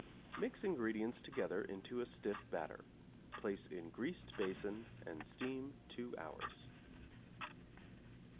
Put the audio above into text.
Mix ingredients together into a stiff batter; place in greased basin and steam 2 hours.